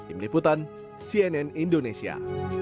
im liputan cnn indonesia